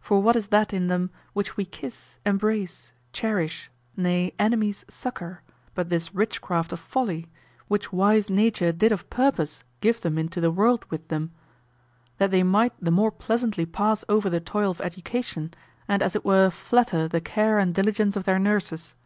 For what is that in them which we kiss, embrace, cherish, nay enemies succor, but this witchcraft of folly, which wise Nature did of purpose give them into the world with them that they might the more pleasantly pass over the toil of education, and as it were flatter the care and diligence of their nurses?